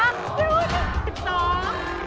สูงกว่า๑๒